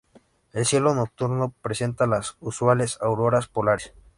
El cielo nocturno presenta las usuales auroras polares.